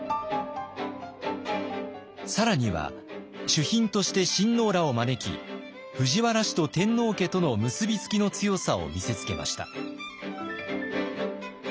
更には主賓として親王らを招き藤原氏と天皇家との結び付きの強さを見せつけました。